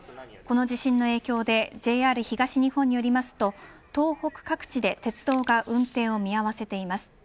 この地震の影響でＪＲ東日本によりますと東北各地で鉄道が運転を見合わせています。